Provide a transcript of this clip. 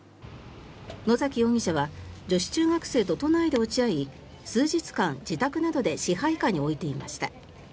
野崎容疑者は女子中学生と都内で落ち合い数日間、自宅などで支配下に置いていました。